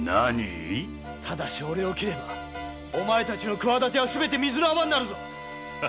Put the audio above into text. ただしオレを斬ればお前たちのくわだてはすべて水の泡になる！